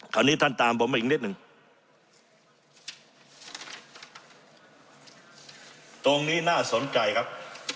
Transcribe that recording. ตรงนี้น่าสนใจครับ